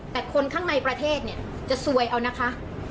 แต่คนข้างในประเทศเนี่ยจะซวยเอานะคะ